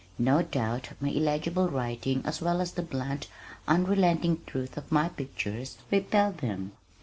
No doubt my illegible writing as well as the blunt, unrelenting truth of my pictures repelled them.